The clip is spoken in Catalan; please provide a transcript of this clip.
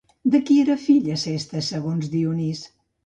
De qui era fill Acestes segons Dionís?